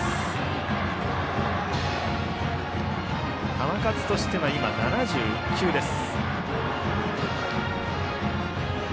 球数としては７１球です。